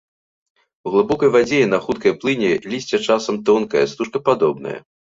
У глыбокай вадзе і на хуткай плыні лісце часам тонкае, стужкападобнае.